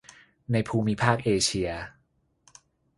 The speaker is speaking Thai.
ในภูมิภาคเอเชีย